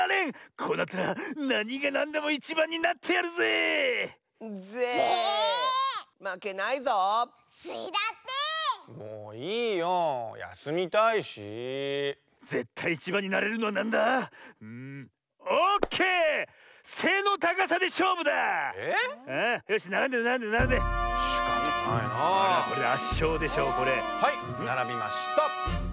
これ。はいならびました！